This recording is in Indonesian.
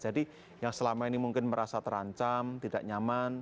jadi yang selama ini mungkin merasa terancam tidak nyaman